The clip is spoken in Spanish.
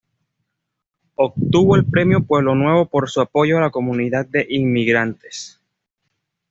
Obtuvo el premio Pueblo Nuevo por su apoyo a la comunidad de inmigrantes.